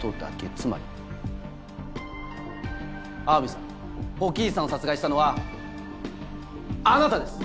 つまり青海さん火鬼壱さんを殺害したのはあなたです！